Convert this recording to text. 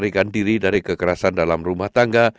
dan menarikan diri dari kekerasan dalam rumah tangga